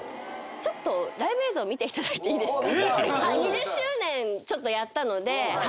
ライブ映像見ていただいていいですか？